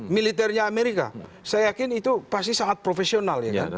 militernya amerika saya yakin itu pasti sangat profesional